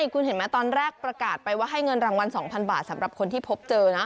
คุณเห็นไหมตอนแรกประกาศไปว่าให้เงินรางวัล๒๐๐บาทสำหรับคนที่พบเจอนะ